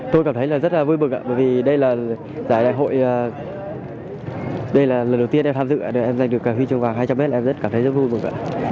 tôi cảm thấy rất vui bực bởi vì đây là giải đại hội đây là lần đầu tiên em tham dự em giành được huy chương vàng hai trăm linh m em rất cảm thấy rất vui bực